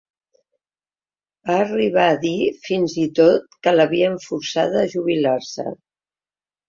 Va arribar a dir fins i tot que l’havien forçada a jubilar-se.